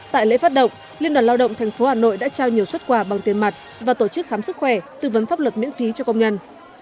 tại lễ phát động liên đoàn lao động tp hà nội đã trao nhiều xuất quà bằng tiền mặt và tổ chức khám sức khỏe tư vấn pháp luật miễn phí cho công nhân